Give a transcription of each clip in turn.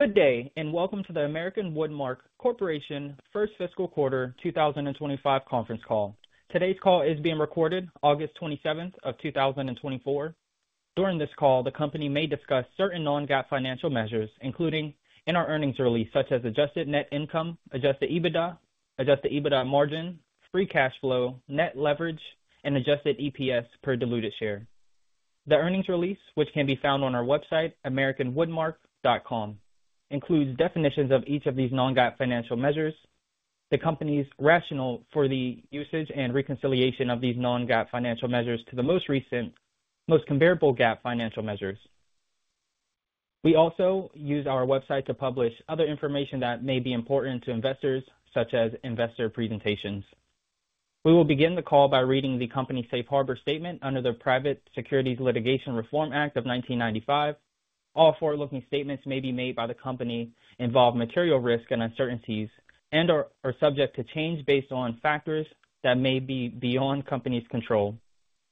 Good day, and welcome to the American Woodmark Corporation first fiscal quarter 2025 conference call. Today's call is being recorded August 27th of 2024. During this call, the company may discuss certain non-GAAP financial measures, including in our earnings release, such as adjusted net income, adjusted EBITDA, adjusted EBITDA margin, free cash flow, net leverage, and adjusted EPS per diluted share. The earnings release, which can be found on our website, americanwoodmark.com, includes definitions of each of these non-GAAP financial measures, the company's rationale for the usage and reconciliation of these non-GAAP financial measures to the most comparable GAAP financial measures. We also use our website to publish other information that may be important to investors, such as investor presentations. We will begin the call by reading the company's safe harbor statement under the Private Securities Litigation Reform Act of 1995. All forward-looking statements that may be made by the company involve material risk and uncertainties and/or are subject to change based on factors that may be beyond the company's control.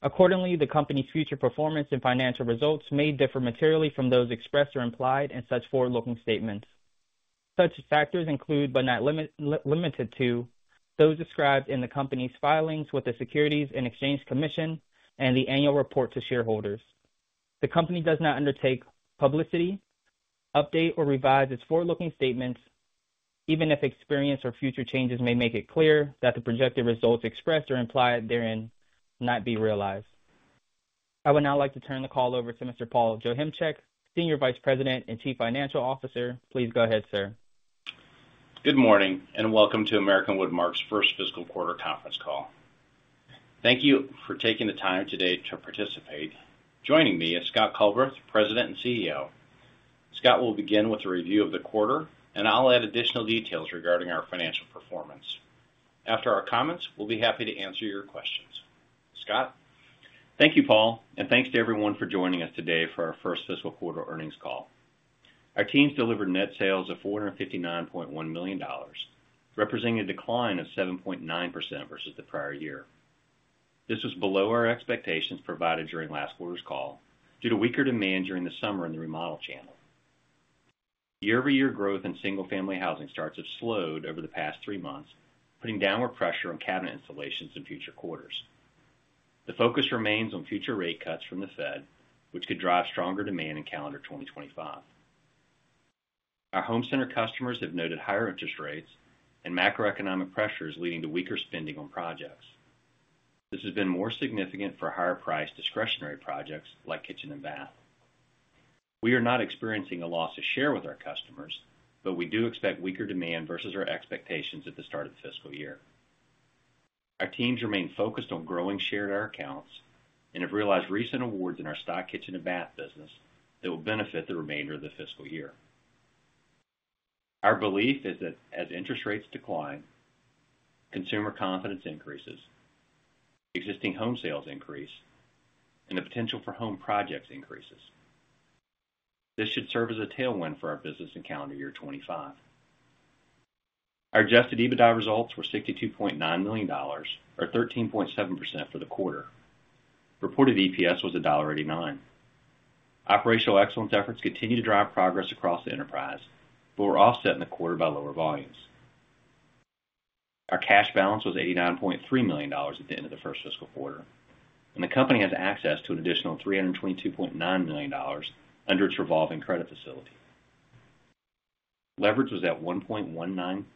Accordingly, the company's future performance and financial results may differ materially from those expressed or implied in such forward-looking statements. Such factors include, but are not limited to, those described in the company's filings with the Securities and Exchange Commission and the annual report to shareholders. The company does not undertake to publicly update or revise its forward-looking statements, even if experience or future changes may make it clear that the projected results expressed or implied therein will not be realized. I would now like to turn the call over to Mr. Paul Joachimczyk, Senior Vice President and Chief Financial Officer. Please go ahead, sir. Good morning, and welcome to American Woodmark's first fiscal quarter conference call. Thank you for taking the time today to participate. Joining me is Scott Culbreth, President and CEO. Scott will begin with a review of the quarter, and I'll add additional details regarding our financial performance. After our comments, we'll be happy to answer your questions. Scott? Thank you, Paul, and thanks to everyone for joining us today for our first fiscal quarter earnings call. Our teams delivered net sales of $459.1 million, representing a decline of 7.9% versus the prior year. This was below our expectations provided during last quarter's call, due to weaker demand during the summer in the remodel channel. Year-over-year growth in single-family housing starts have slowed over the past three months, putting downward pressure on cabinet installations in future quarters. The focus remains on future rate cuts from the Fed, which could drive stronger demand in calendar 2025. Our home center customers have noted higher interest rates and macroeconomic pressures leading to weaker spending on projects. This has been more significant for higher-priced discretionary projects like kitchen and bath. We are not experiencing a loss of share with our customers, but we do expect weaker demand versus our expectations at the start of the fiscal year. Our teams remain focused on growing share at our accounts and have realized recent awards in our stock, kitchen, and bath business that will benefit the remainder of the fiscal year. Our belief is that as interest rates decline, consumer confidence increases, existing home sales increase, and the potential for home projects increases. This should serve as a tailwind for our business in calendar year 2025. Our adjusted EBITDA results were $62.9 million, or 13.7% for the quarter. Reported EPS was $1.89. Operational excellence efforts continue to drive progress across the enterprise, but were offset in the quarter by lower volumes. Our cash balance was $89.3 million at the end of the first fiscal quarter, and the company has access to an additional $322.9 million under its revolving credit facility. Leverage was at 1.19x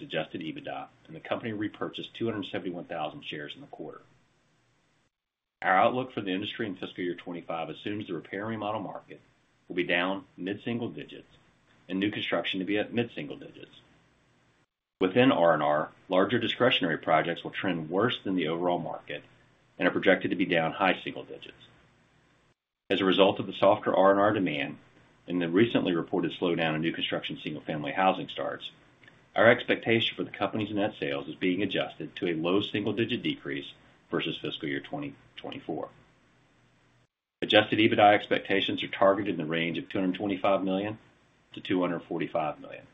adjusted EBITDA, and the company repurchased 271,000 shares in the quarter. Our outlook for the industry in fiscal year 2025 assumes the repair and remodel market will be down mid-single digits and new construction to be at mid-single digits. Within R&R, larger discretionary projects will trend worse than the overall market and are projected to be down high single digits. As a result of the softer R&R demand and the recently reported slowdown in new construction single-family housing starts, our expectation for the company's net sales is being adjusted to a low single-digit decrease versus fiscal year 2024. Adjusted EBITDA expectations are targeted in the range of $225 million-$245 million.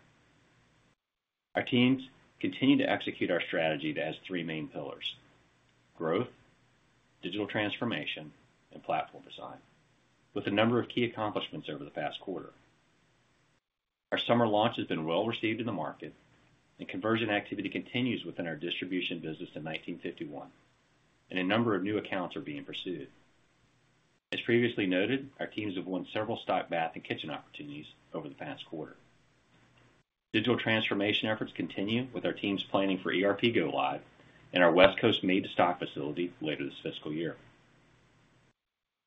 Our teams continue to execute our strategy that has three main pillars: growth, digital transformation, and platform design, with a number of key accomplishments over the past quarter. Our summer launch has been well received in the market, and conversion activity continues within our distribution business in 1951, and a number of new accounts are being pursued. As previously noted, our teams have won several stock bath and kitchen opportunities over the past quarter. Digital transformation efforts continue with our teams planning for ERP go live in our West Coast made-to-stock facility later this fiscal year.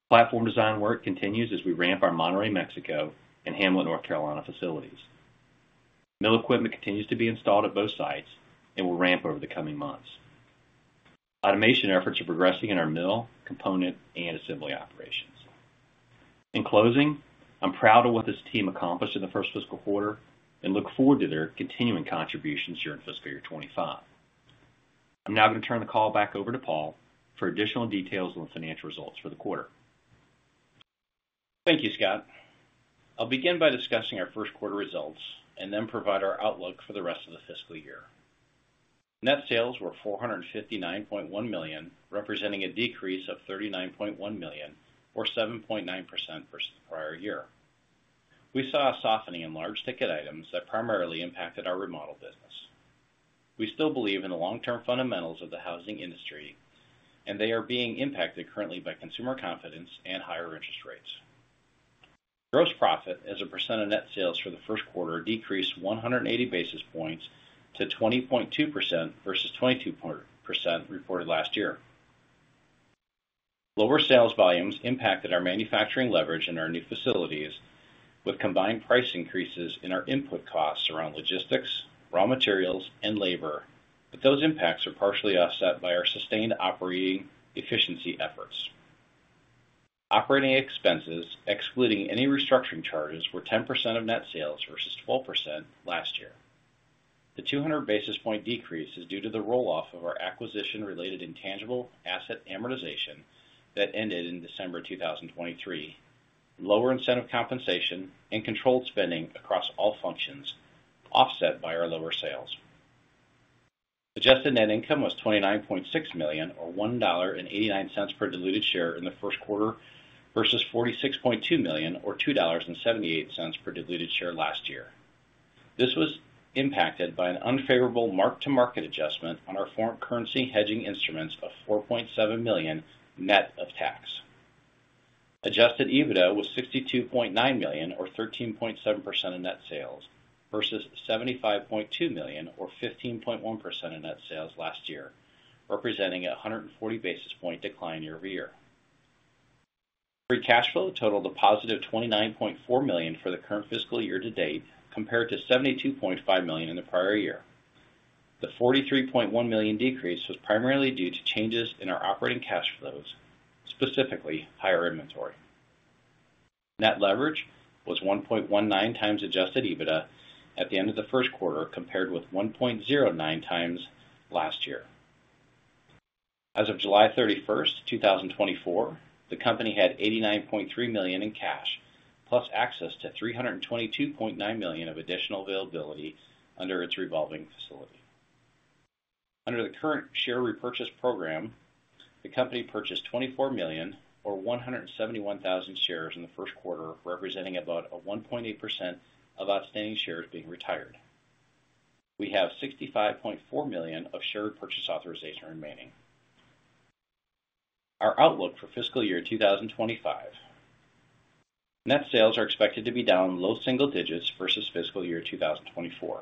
Platform design work continues as we ramp our Monterrey, Mexico, and Hamlet, North Carolina, facilities. Mill equipment continues to be installed at both sites and will ramp over the coming months. Automation efforts are progressing in our mill, component, and assembly operations. In closing, I'm proud of what this team accomplished in the first fiscal quarter and look forward to their continuing contributions during fiscal year 2025. I'm now going to turn the call back over to Paul for additional details on the financial results for the quarter. Thank you, Scott. I'll begin by discussing our first quarter results and then provide our outlook for the rest of the fiscal year. Net sales were $459.1 million, representing a decrease of $39.1 million, or 7.9% versus the prior year. We saw a softening in large ticket items that primarily impacted our remodel business. We still believe in the long-term fundamentals of the housing industry, and they are being impacted currently by consumer confidence and higher interest rates. Gross profit as a percent of net sales for the first quarter decreased 180 basis points to 20.2% versus 22.0% reported last year. Lower sales volumes impacted our manufacturing leverage in our new facilities, with combined price increases in our input costs around logistics, raw materials, and labor, but those impacts are partially offset by our sustained operating efficiency efforts. Operating expenses, excluding any restructuring charges, were 10% of net sales versus 12% last year. The 200 basis point decrease is due to the roll-off of our acquisition-related intangible asset amortization that ended in December 2023. Lower incentive compensation and controlled spending across all functions, offset by our lower sales. Adjusted net income was $29.6 million, or $1.89 per diluted share in the first quarter, versus $46.2 million, or $2.78 per diluted share last year. This was impacted by an unfavorable mark-to-market adjustment on our foreign currency hedging instruments of $4.7 million net of tax. adjusted EBITDA was $62.9 million, or 13.7% of net sales, versus $75.2 million or 15.1% of net sales last year, representing a 140 basis point decline year over year. Free cash flow totaled a positive $29.4 million for the current fiscal year-to-date, compared to $72.5 million in the prior year. The $43.1 million decrease was primarily due to changes in our operating cash flows, specifically higher inventory. Net leverage was 1.19x adjusted EBITDA at the end of the first quarter, compared with 1.09x last year. As of July 31, 2024, the company had $89.3 million in cash, plus access to $322.9 million of additional availability under its revolving facility. Under the current share repurchase program, the company purchased $24 million, or 171,000 shares in the first quarter, representing about a 1.8% of outstanding shares being retired. We have $65.4 million of share purchase authorization remaining. Our outlook for fiscal year 2025: Net sales are expected to be down low single digits versus fiscal year 2024.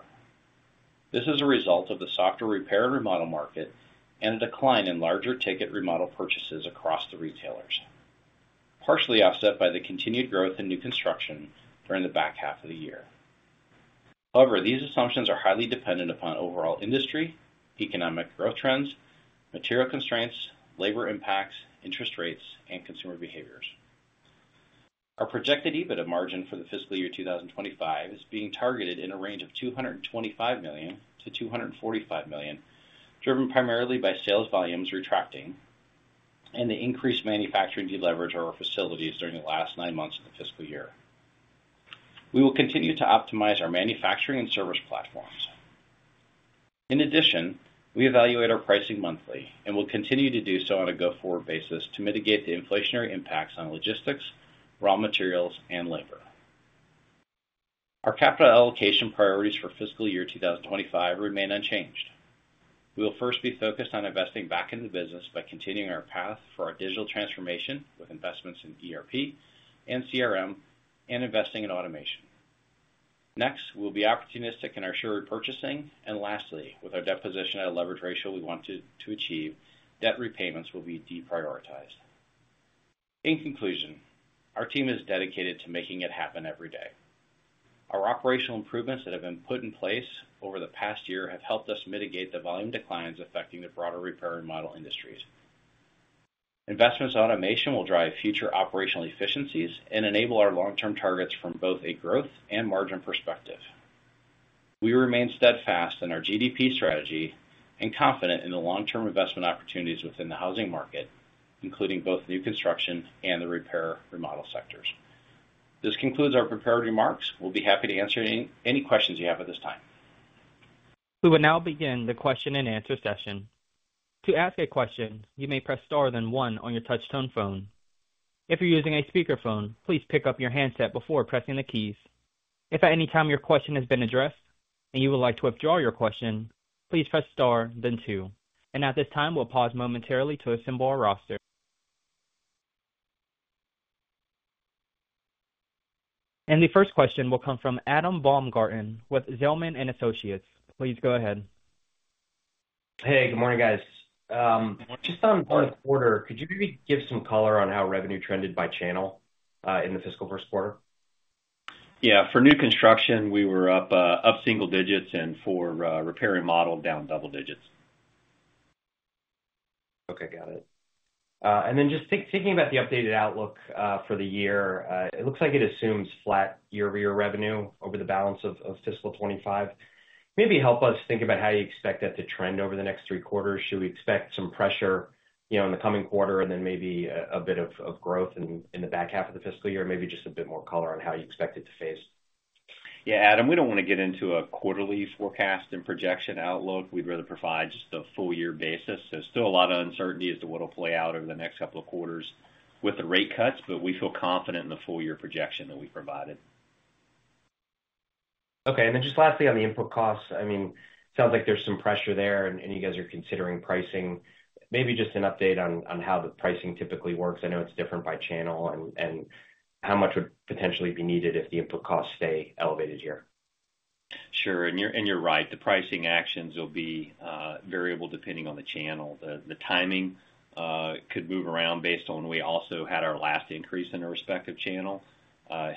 This is a result of the softer repair and remodel market and a decline in larger-ticket remodel purchases across the retailers, partially offset by the continued growth in new construction during the back half of the year. However, these assumptions are highly dependent upon overall industry, economic growth trends, material constraints, labor impacts, interest rates, and consumer behaviors. Our projected EBITDA margin for the fiscal year 2025 is being targeted in a range of $225 million-$245 million, driven primarily by sales volumes retracting and the increased manufacturing deleverage of our facilities during the last nine months of the fiscal year. We will continue to optimize our manufacturing and service platforms. In addition, we evaluate our pricing monthly and will continue to do so on a go-forward basis to mitigate the inflationary impacts on logistics, raw materials, and labor. Our capital allocation priorities for fiscal year 2025 remain unchanged. We will first be focused on investing back in the business by continuing our path for our digital transformation with investments in ERP and CRM and investing in automation. Next, we'll be opportunistic in our share repurchasing, and lastly, with our debt position at a leverage ratio we want to achieve, debt repayments will be deprioritized. In conclusion, our team is dedicated to making it happen every day. Our operational improvements that have been put in place over the past year have helped us mitigate the volume declines affecting the broader repair and remodel industries. Investments in automation will drive future operational efficiencies and enable our long-term targets from both a growth and margin perspective. We remain steadfast in our GDP strategy and confident in the long-term investment opportunities within the housing market, including both new construction and the repair and remodel sectors. This concludes our prepared remarks. We'll be happy to answer any questions you have at this time. We will now begin the question-and-answer session. To ask a question, you may press star then one on your touch-tone phone. If you're using a speakerphone, please pick up your handset before pressing the keys. If at any time your question has been addressed and you would like to withdraw your question, please press star then two. And at this time, we'll pause momentarily to assemble our roster. And the first question will come from Adam Baumgarten with Zelman & Associates. Please go ahead. Hey, good morning, guys. Just on first quarter, could you maybe give some color on how revenue trended by channel, in the fiscal first quarter? Yeah. For new construction, we were up single digits, and for repair and remodel, down double digits. Okay, got it. And then just thinking about the updated outlook for the year, it looks like it assumes flat year-over-year revenue over the balance of fiscal 2025. Maybe help us think about how you expect that to trend over the next three quarters. Should we expect some pressure, you know, in the coming quarter and then maybe a bit of growth in the back half of the fiscal year? Maybe just a bit more color on how you expect it to phase. Yeah, Adam, we don't want to get into a quarterly forecast and projection outlook. We'd rather provide just the full year basis. There's still a lot of uncertainty as to what will play out over the next couple of quarters with the rate cuts, but we feel confident in the full-year projection that we provided. Okay. And then just lastly, on the input costs, I mean, sounds like there's some pressure there, and you guys are considering pricing. Maybe just an update on how the pricing typically works. I know it's different by channel, and how much would potentially be needed if the input costs stay elevated here? Sure. And you're right, the pricing actions will be variable depending on the channel. The timing could move around based on when we also had our last increase in a respective channel.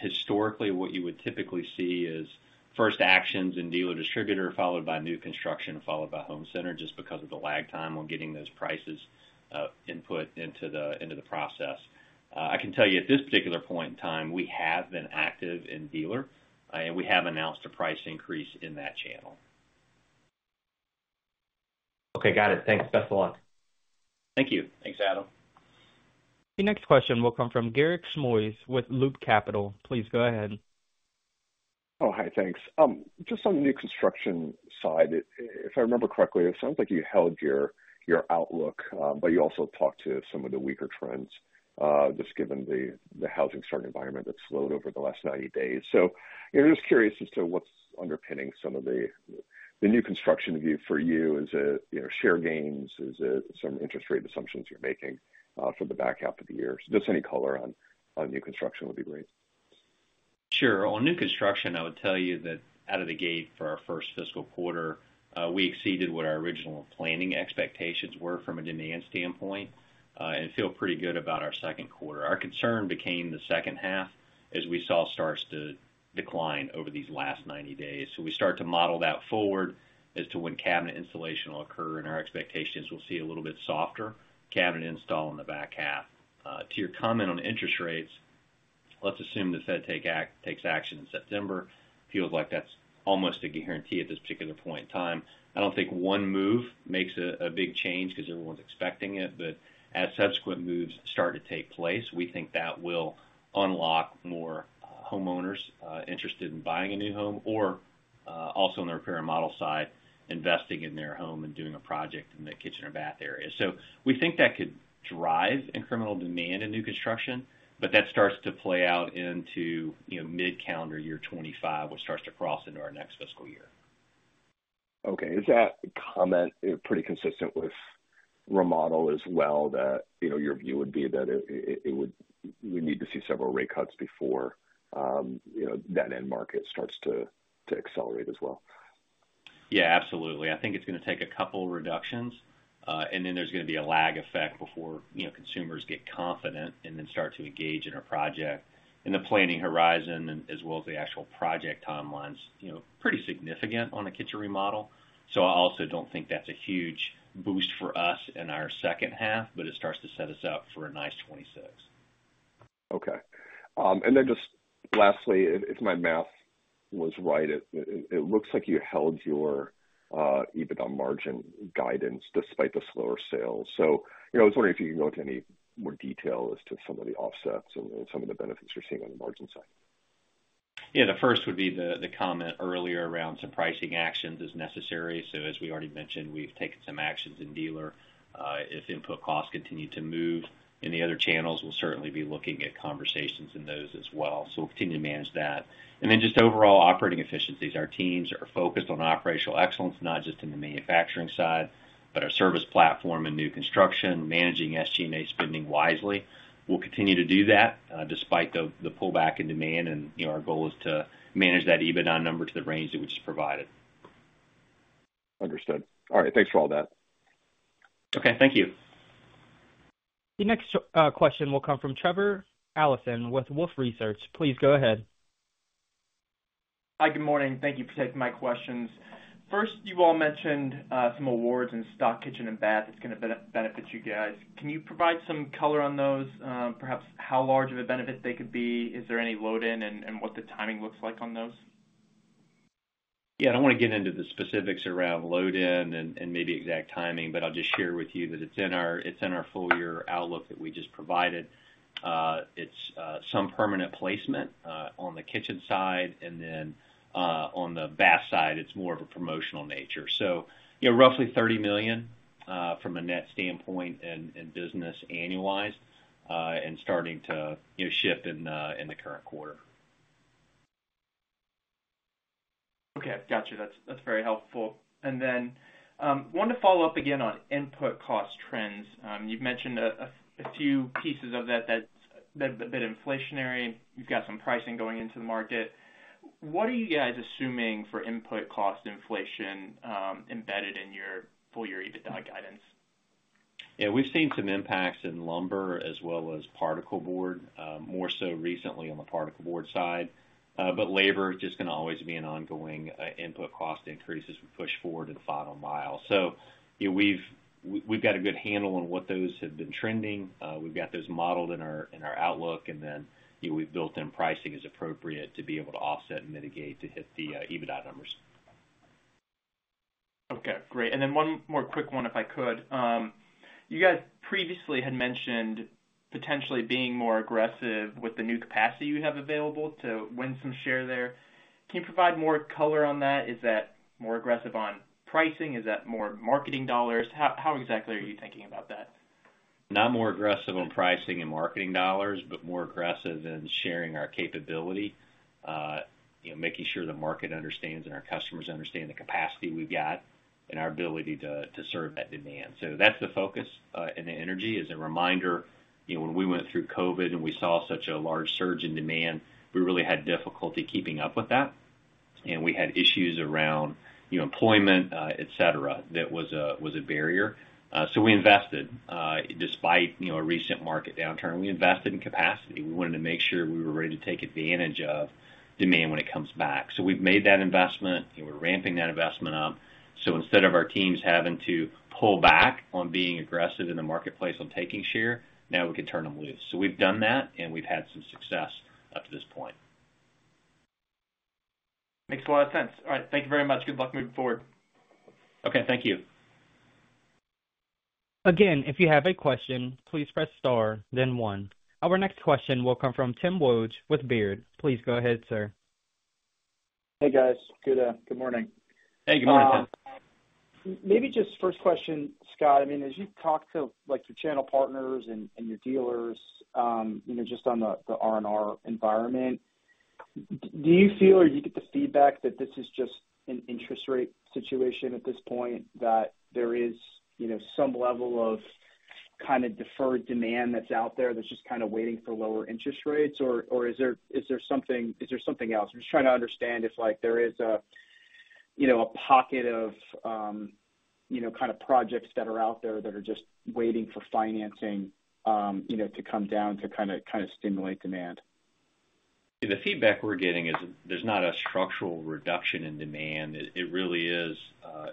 Historically, what you would typically see is first actions in dealer distributor, followed by new construction, followed by home center, just because of the lag time on getting those prices input into the process. I can tell you at this particular point in time, we have been active in dealer, and we have announced a price increase in that channel. Okay, got it. Thanks. Best of luck. Thank you. Thanks, Adam. The next question will come from Garik Shmois with Loop Capital. Please go ahead. Oh, hi, thanks. Just on the new construction side, if I remember correctly, it sounds like you held your outlook, but you also talked to some of the weaker trends, just given the housing start environment that slowed over the last ninety days. So I'm just curious as to what's underpinning some of the new construction view for you. Is it, you know, share gains? Is it some interest rate assumptions you're making, for the back half of the year? Just any color on new construction would be great. Sure. On new construction, I would tell you that out of the gate for our first fiscal quarter, we exceeded what our original planning expectations were from a demand standpoint, and feel pretty good about our second quarter. Our concern became the second half as we saw starts to decline over these last ninety days. So we start to model that forward as to when cabinet installation will occur, and our expectations, we'll see a little bit softer cabinet install in the back half. To your comment on interest rates, let's assume the Fed takes action in September. Feels like that's almost a guarantee at this particular point in time. I don't think one move makes a big change because everyone's expecting it. But as subsequent moves start to take place, we think that will unlock more homeowners interested in buying a new home, or also in the repair and remodel side, investing in their home and doing a project in the kitchen or bath area. So we think that could drive incremental demand in new construction, but that starts to play out into, you know, mid-calendar year 2025, which starts to cross into our next fiscal year. Okay. Is that comment pretty consistent with remodel as well, that, you know, your view would be that we need to see several rate cuts before, you know, that end market starts to accelerate as well? Yeah, absolutely. I think it's going to take a couple reductions, and then there's going to be a lag effect before, you know, consumers get confident and then start to engage in a project, and the planning horizon as well as the actual project timelines, you know, pretty significant on a kitchen remodel. So I also don't think that's a huge boost for us in our second half, but it starts to set us up for a nice 2026. Okay. And then just lastly, if my math was right, it looks like you held your EBITDA margin guidance despite the slower sales. So, you know, I was wondering if you can go into any more detail as to some of the offsets and some of the benefits you're seeing on the margin side. Yeah, the first would be the comment earlier around some pricing actions as necessary. So as we already mentioned, we've taken some actions in dealer. If input costs continue to move in the other channels, we'll certainly be looking at conversations in those as well. So we'll continue to manage that. And then just overall operating efficiencies. Our teams are focused on operational excellence, not just in the manufacturing side, but our service platform and new construction, managing SG&A spending wisely. We'll continue to do that, despite the pullback in demand, and, you know, our goal is to manage that EBITDA number to the range that we just provided. Understood. All right, thanks for all that. Okay, thank you. The next question will come from Trevor Allinson with Wolfe Research. Please go ahead. Hi, good morning. Thank you for taking my questions. First, you all mentioned some awards in stock, kitchen, and bath that's going to benefit you guys. Can you provide some color on those? Perhaps how large of a benefit they could be? Is there any load in, and what the timing looks like on those? Yeah, I don't want to get into the specifics around load in and maybe exact timing, but I'll just share with you that it's in our full-year outlook that we just provided. It's some permanent placement on the kitchen side, and then on the bath side, it's more of a promotional nature. So, you know, roughly $30 million from a net standpoint and business annualized and starting to, you know, shift in the current quarter. Okay, got you. That's very helpful. And then wanted to follow up again on input cost trends. You've mentioned a few pieces of that that's a bit inflationary. You've got some pricing going into the market. What are you guys assuming for input cost inflation embedded in your full-year EBITDA guidance? Yeah, we've seen some impacts in lumber as well as particle board, more so recently on the particle board side. But labor is just going to always be an ongoing input cost increase as we push forward to the final mile. So, you know, we've got a good handle on what those have been trending. We've got those modeled in our outlook, and then, you know, we've built in pricing as appropriate to be able to offset and mitigate to hit the EBITDA numbers. Okay, great. And then one more quick one, if I could. You guys previously had mentioned potentially being more aggressive with the new capacity you have available to win some share there. Can you provide more color on that? Is that more aggressive on pricing? Is that more marketing dollars? How, how exactly are you thinking about that? Not more aggressive on pricing and marketing dollars, but more aggressive in sharing our capability. You know, making sure the market understands and our customers understand the capacity we've got and our ability to serve that demand. So that's the focus and the energy. As a reminder, you know, when we went through COVID and we saw such a large surge in demand, we really had difficulty keeping up with that. And we had issues around, you know, employment, etc. That was a barrier. So we invested, despite, you know, a recent market downturn, we invested in capacity. We wanted to make sure we were ready to take advantage of demand when it comes back. So we've made that investment, and we're ramping that investment up. So instead of our teams having to pull back on being aggressive in the marketplace on taking share, now we can turn them loose. So we've done that, and we've had some success up to this point. Makes a lot of sense. All right. Thank you very much. Good luck moving forward. Okay, thank you. Again, if you have a question, please press star, then one. Our next question will come from Tim Wojs with Baird. Please go ahead, sir. Hey, guys. Good morning. Hey, good morning, Tim. Maybe just first question, Scott. I mean, as you've talked to, like, your channel partners and your dealers, you know, just on the R&R environment, do you feel or do you get the feedback that this is just an interest rate situation at this point, that there is, you know, some level of kind of deferred demand that's out there that's just kind of waiting for lower interest rates? Or is there something else? I'm just trying to understand if, like, there is a, you know, a pocket of, you know, kind of projects that are out there that are just waiting for financing, you know, to come down to kind of stimulate demand. The feedback we're getting is there's not a structural reduction in demand. It really is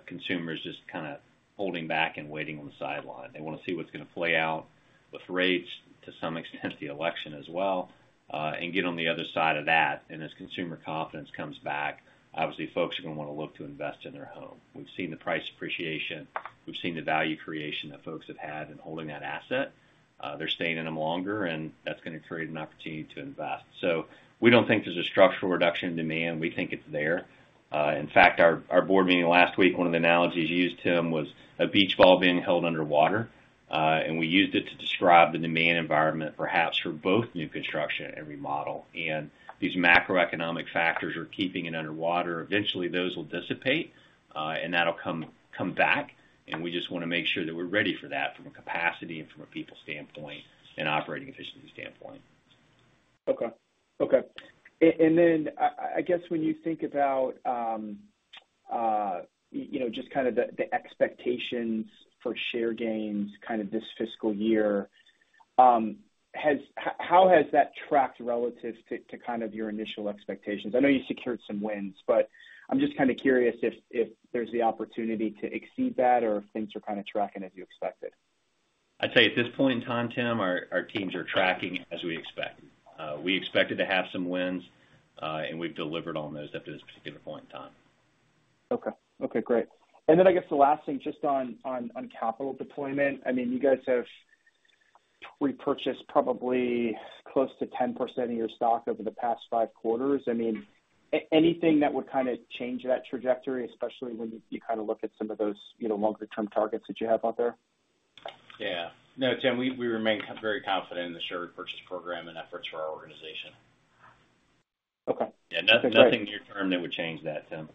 consumers just kind of holding back and waiting on the sideline. They want to see what's going to play out with rates, to some extent, the election as well, and get on the other side of that and as consumer confidence comes back, obviously, folks are going to want to look to invest in their home. We've seen the price appreciation, we've seen the value creation that folks have had in holding that asset. They're staying in them longer, and that's going to create an opportunity to invest, so we don't think there's a structural reduction in demand. We think it's there. In fact, our board meeting last week, one of the analogies used, Tim, was a beach ball being held under water, and we used it to describe the demand environment, perhaps for both new construction and remodel. And these macroeconomic factors are keeping it under water. Eventually, those will dissipate, and that'll come back, and we just want to make sure that we're ready for that from a capacity and from a people standpoint and operating efficiency standpoint. Okay. Okay. And then I guess when you think about, you know, just kind of the expectations for share gains kind of this fiscal year, how has that tracked relative to kind of your initial expectations? I know you secured some wins, but I'm just kind of curious if there's the opportunity to exceed that or if things are kind of tracking as you expected. I'd say at this point in time, Tim, our teams are tracking as we expect. We expected to have some wins, and we've delivered on those up to this particular point in time. Okay. Okay, great. And then I guess the last thing, just on capital deployment, I mean, you guys have repurchased probably close to 10% of your stock over the past five quarters. I mean, anything that would kind of change that trajectory, especially when you kind of look at some of those, you know, longer-term targets that you have out there? Yeah. No, Tim, we remain very confident in the share repurchase program and efforts for our organization. Okay. Yeah, nothing, nothing near term that would change that, Tim.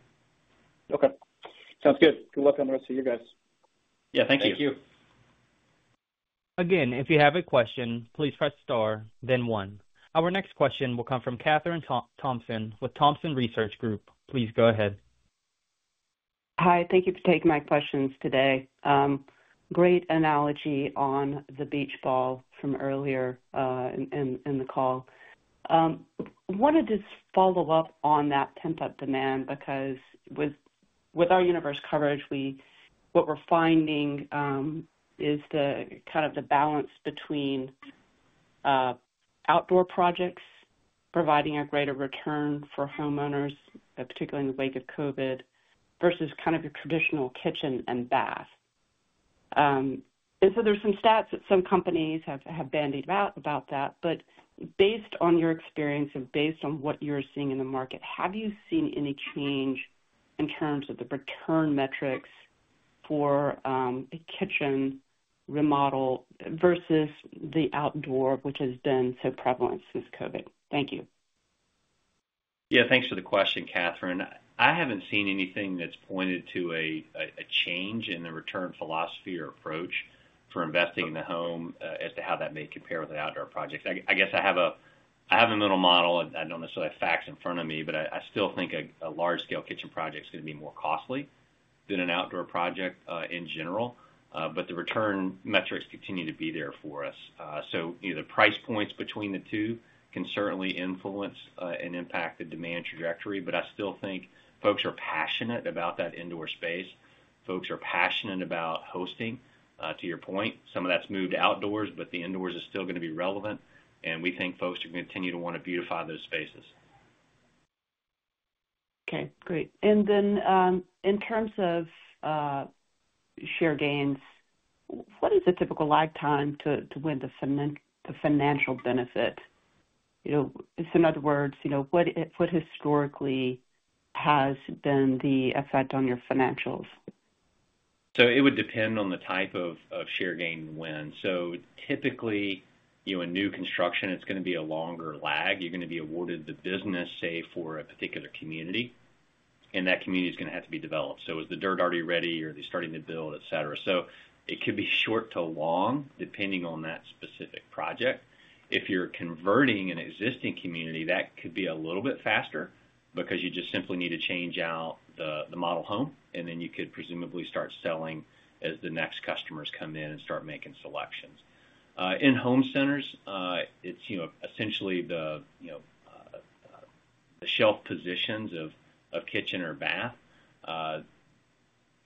Okay. Sounds good. Good luck on the rest of you guys. Yeah. Thank you. Thank you. Again, if you have a question, please press star then one. Our next question will come from Kathryn Thompson with Thompson Research Group. Please go ahead. Hi, thank you for taking my questions today. Great analogy on the beach ball from earlier in the call. Wanted to follow up on that pent-up demand, because with our universe coverage, what we're finding is the kind of balance between outdoor projects providing a greater return for homeowners, particularly in the wake of COVID, versus kind of your traditional kitchen and bath. And so there's some stats that some companies have bandied about that, but based on your experience and based on what you're seeing in the market, have you seen any change in terms of the return metrics for a kitchen remodel versus the outdoor, which has been so prevalent since COVID? Thank you. Yeah, thanks for the question, Kathryn. I haven't seen anything that's pointed to a change in the return philosophy or approach for investing in the home, as to how that may compare with an outdoor project. I guess I have a mental model. I don't necessarily have facts in front of me, but I still think a large-scale kitchen project is going to be more costly than an outdoor project, in general. But the return metrics continue to be there for us. So, you know, the price points between the two can certainly influence and impact the demand trajectory, but I still think folks are passionate about that indoor space. Folks are passionate about hosting. To your point, some of that's moved outdoors, but the indoors is still going to be relevant, and we think folks are going to continue to want to beautify those spaces. Okay, great. And then, in terms of share gains, what is the typical lifetime to win the financial benefit? You know, just in other words, you know, what historically has been the effect on your financials? So it would depend on the type of share gain win. So typically, you know, a new construction, it's going to be a longer lag. You're going to be awarded the business, say, for a particular community, and that community is going to have to be developed. So is the dirt already ready or are they starting to build, et cetera? So it could be short to long, depending on that specific project. If you're converting an existing community, that could be a little bit faster because you just simply need to change out the model home, and then you could presumably start selling as the next customers come in and start making selections. In home centers, it's, you know, essentially the, you know, the shelf positions of kitchen or bath.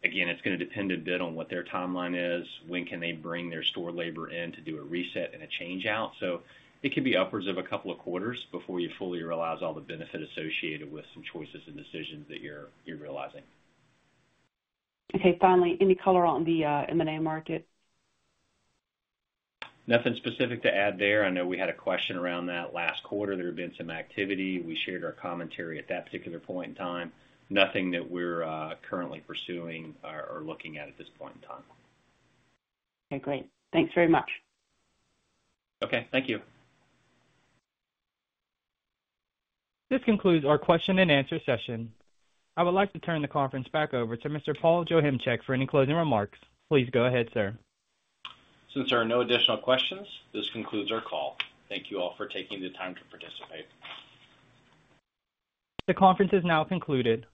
Again, it's going to depend a bit on what their timeline is, when can they bring their store labor in to do a reset and a change-out? So it could be upwards of a couple of quarters before you fully realize all the benefit associated with some choices and decisions that you're realizing. Okay, finally, any color on the M&A market? Nothing specific to add there. I know we had a question around that last quarter. There had been some activity. We shared our commentary at that particular point in time. Nothing that we're currently pursuing or looking at this point in time. Okay, great. Thanks very much. Okay, thank you. This concludes our question-and-answer session. I would like to turn the conference back over to Mr. Paul Joachimczyk for any closing remarks. Please go ahead, sir. Since there are no additional questions, this concludes our call. Thank you all for taking the time to participate. The conference is now concluded.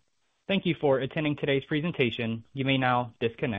Thank you for attending today's presentation. You may now disconnect.